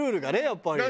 やっぱり。